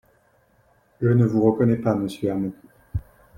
Je ne vous reconnais pas, monsieur Hamon